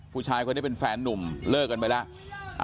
ผู้ชายคนนี้เป็นแฟนนุ่มเลิกกันไปแล้ว